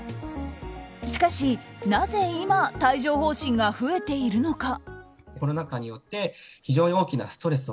しかし、なぜ今帯状疱疹が増えているのか。